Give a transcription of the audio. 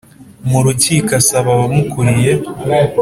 mu rukiko Asaba abamukuriye